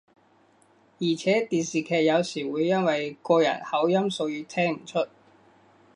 而且電視劇有時會因為個人口音所以聽唔出